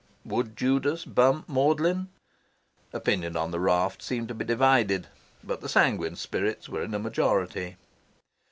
Would Judas bump Magdalen? Opinion on the raft seemed to be divided. But the sanguine spirits were in a majority.